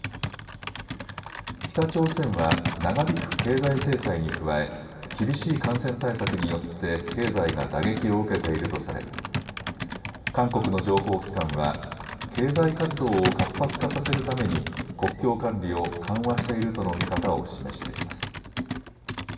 北朝鮮は長引く経済制裁に加え厳しい感染対策によって経済が打撃を受けているとされ韓国の情報機関は経済活動を活発化させるために国境管理を緩和しているとの見方を示しています。